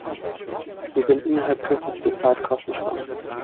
Wir würden innerhalb kürzester Zeit Kosten sparen.